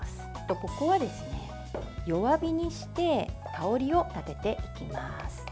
ここは弱火にして香りを立てていきます。